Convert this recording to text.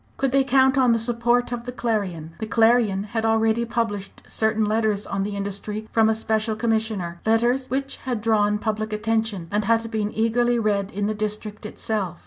Could they count on the support of the Clarion? The Clarion had already published certain letters on the industry from a Special Commissioner letters which had drawn public attention, and had been eagerly read in the district itself.